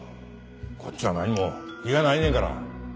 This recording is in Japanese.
こっちは何も非がないねんから。